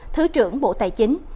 thứ trưởng bộ tài chính